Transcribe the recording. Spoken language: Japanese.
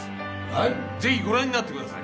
ぜひご覧になってください。